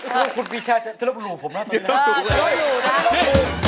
แล้วคุณปีชาจะลบหรูผมมาก่อน